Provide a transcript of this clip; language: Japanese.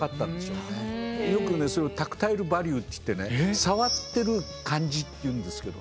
よくねそういうのタクタイルバリューっていってね触ってる感じというんですけども。